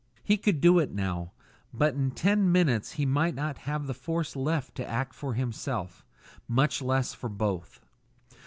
He could do it now; but in ten minutes he might not have the force left to act for himself, much less for both!